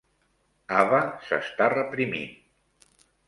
Ava s'està reprimint.